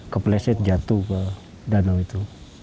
kepleset jatuh ke danau itu